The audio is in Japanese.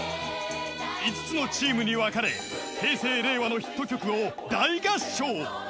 ［５つのチームに分かれ平成・令和のヒット曲を大合唱］